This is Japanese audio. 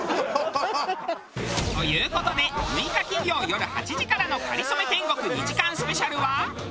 ハハハ！という事で６日金曜よる８時からの『かりそめ天国』２時間スペシャルは。